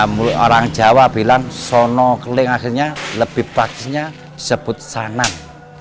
mulai orang jawa bilang sono keling akhirnya lebih bagusnya sebut sanan